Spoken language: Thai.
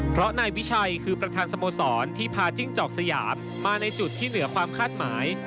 เพราะนายวิชัยคือประธานสโมสรที่พาจิ้งจอกสยามมาในจุดที่เหนือความคาดหมาย